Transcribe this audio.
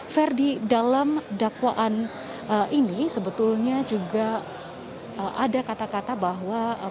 ferdi dalam dakwaan ini sebetulnya juga ada kata kata bahwa pinangki sirena malasari